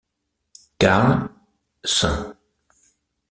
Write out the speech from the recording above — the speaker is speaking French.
Carl St.